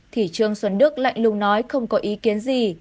thì trương xuân đức lạnh lung nói không có ý kiến gì